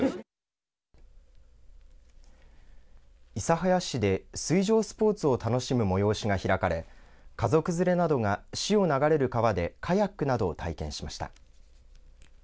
諫早市で水上スポーツを楽しむ催しが開かれ家族連れなどが市を流れる川でカヤックなどを体験しました。